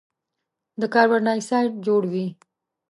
د کاربن ډای اکسایډ جوړوي.